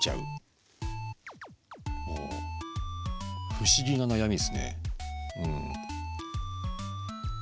不思議な悩みですね。